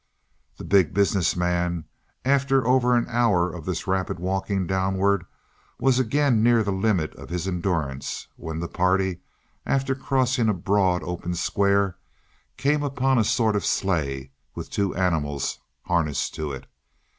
The Big Business Man, after over an hour of this rapid walking downward, was again near the limit of his endurance, when the party, after crossing a broad, open square, came upon a sort of sleigh, with two animals harnessed to it.